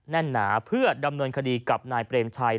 แน่นหนาเพื่อดำเนินคดีกับนายเปรมชัย